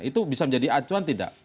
itu bisa menjadi acuan tidak